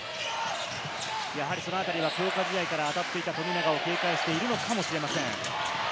やはり、そのあたりは強化試合からあたっていた富永を警戒しているのかもしれません。